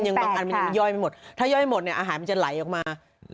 ย่อยไปหมดถ้าย่อยไปหมดอาหารจะไหลออกมา